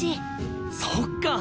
そっか！